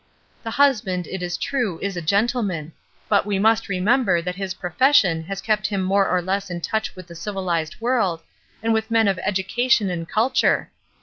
The husband, it is true, is a gentleman ; but we must remember that his profession has kept him more or less in touch with the civiUzed world, and with men of education and culture.